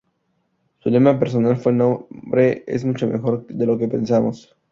Su lema personal fue ""El hombre es mucho mejor de lo que pensamos"".